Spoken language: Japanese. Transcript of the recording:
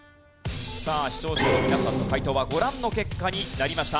さあ視聴者の皆さんの解答はご覧の結果になりました。